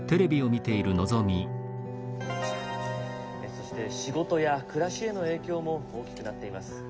「そして仕事や暮らしへの影響も大きくなっています。